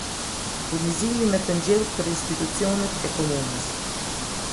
Furnizimi me thengjill për instucionet e komunës